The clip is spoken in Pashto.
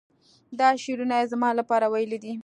دا شعرونه یې زما لپاره ویلي دي.